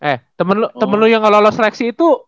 eh temen lo yang gak lolos seleksi itu